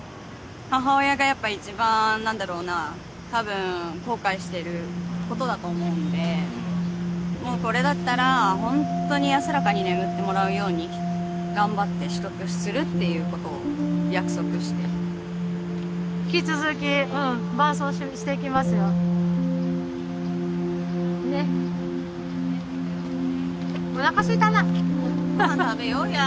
母親がやっぱ一番何だろうなたぶん後悔してることだと思うのでこれだったらホントに安らかに眠ってもらうように頑張って取得するっていうことを約束して引き続き伴走していきますよねっおなかすいたなご飯